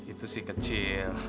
itu sih kecil